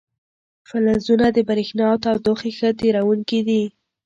فلزونه د برېښنا او تودوخې ښه تیروونکي دي.